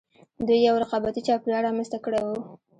دوی یو رقابتي چاپېریال رامنځته کړی و